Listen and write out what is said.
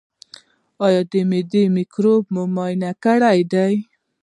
ایا د معدې مکروب مو معاینه کړی دی؟